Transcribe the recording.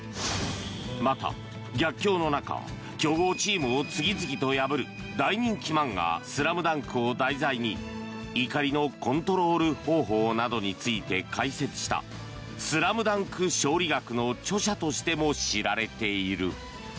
また、逆境の中強豪チームを次々と破る大人気漫画「ＳＬＡＭＤＵＮＫ」を題材に怒りのコントロール方法などについて解説した「スラムダンク勝利学」の著者としても知られている。